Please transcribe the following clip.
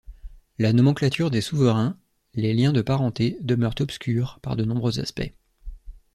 La nomenclature des souverains, les liens de parenté demeurent obscurs par de nombreux aspects.